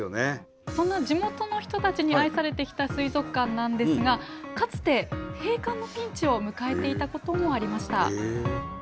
そんな地元の人たちに愛されてきた水族館なんですがかつて閉館のピンチを迎えていたこともありました。